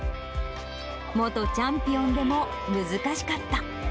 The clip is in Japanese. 元チャンピオンでも難しかった。